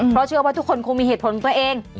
เพราะเชื่อว่าทุกคนคงมีเหตุผลของตัวเอง